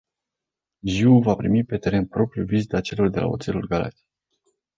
Jiu va primi pe teren propriu vizita celor de la Oțelul Galați.